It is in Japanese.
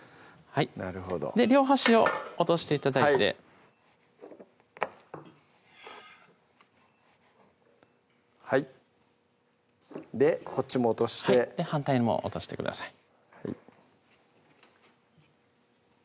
なるほど両端を落として頂いてはいでこっちも落として反対も落としてください